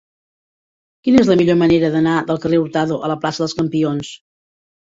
Quina és la millor manera d'anar del carrer d'Hurtado a la plaça dels Campions?